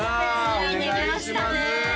ついに来ましたね